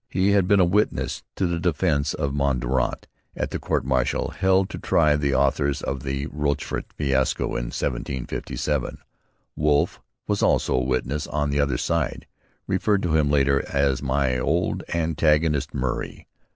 He had been a witness for the defence of Mordaunt at the court martial held to try the authors of the Rochefort fiasco in 1757. Wolfe, who was a witness on the other side, referred to him later on as 'my old antagonist Murray.'